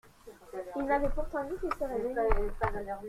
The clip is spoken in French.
Il m’avait pourtant dit qu’il serait venu.